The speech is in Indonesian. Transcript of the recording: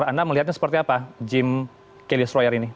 anda melihatnya seperti apa jim kelly stroyer ini